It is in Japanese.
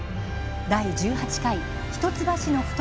第１８回「一橋の懐」